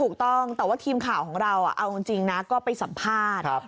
ถูกต้องแต่ว่าทีมข่าวของเราเอาจริงนะก็ไปสัมภาษณ์